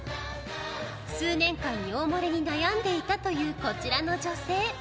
数年間、尿漏れに悩んでいたというこちらの女性。